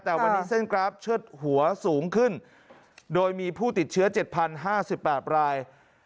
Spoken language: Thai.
แต่วันนี้เส้นกราฟเชิดหัวสูงขึ้นโดยมีผู้ติดเชื้อ๗๐๕๘ราย